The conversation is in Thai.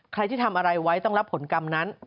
ใครที่ทำอะไรไว้ต้องรับผลกรรมนั้น